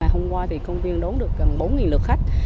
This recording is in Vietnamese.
hôm qua thì công viên đón được gần bốn lượt khách